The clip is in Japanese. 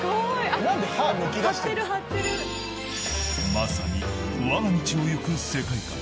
［まさにわが道をゆく世界観］